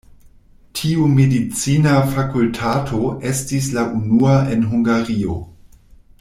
Tiu medicina fakultato estis la unua en Hungario.